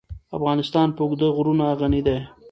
افغانستان په اوږده غرونه غني دی.